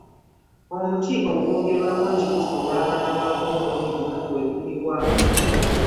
Omuti ogwogerwako nti gusuula abaana baagwo omulundi gumu gwe guli wa?